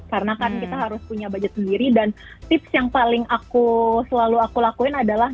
karena kan kita harus punya budget sendiri dan tips yang paling aku selalu aku lakuin adalah